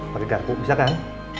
pake dapur bisa kan